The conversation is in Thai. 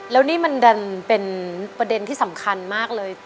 แล้วนี่มันดันเป็นประเด็นที่สำคัญมากเลย